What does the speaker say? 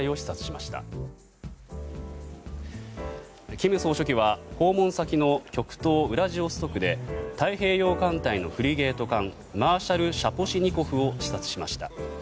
金総書記は、訪問先の極東ウラジオストクで太平洋艦隊のフリゲート艦「マーシャル・シャポシニコフ」を視察しました。